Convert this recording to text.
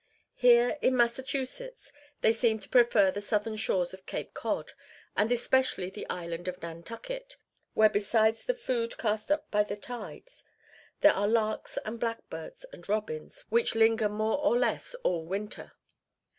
Here in Massachusetts they seem to prefer the southern shores of Cape Cod, and especially the island of Nantucket, where besides the food cast up by the tides, there are larks and blackbirds and robins, which linger more or less all winter.